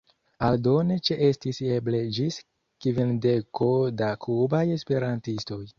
Aldone ĉeestis eble ĝis kvindeko da kubaj esperantistoj.